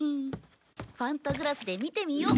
ファンタグラスで見てみよう。